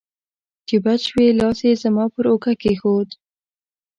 چې بچ شوې، لاس یې زما پر اوږه کېښود.